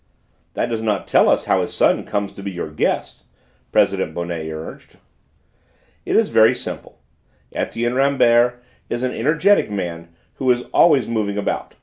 "That does not tell us how his son comes to be your guest," President Bonnet urged. "It is very simple: Etienne Rambert is an energetic man who is always moving about.